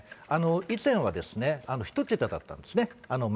以前はですね、１桁だったんですね。